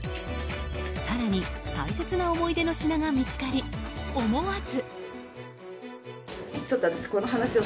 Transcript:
更に大切な思い出の品が見つかり思わず。